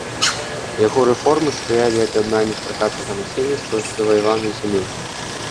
Яго рэформы спрыялі аб'яднанню стракатага насельніцтва заваяваных зямель.